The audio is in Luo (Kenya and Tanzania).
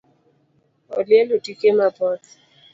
Olielo tike mapoth